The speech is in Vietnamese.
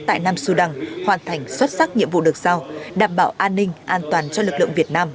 tại nam sudan hoàn thành xuất sắc nhiệm vụ được sao đảm bảo an ninh an toàn cho lực lượng việt nam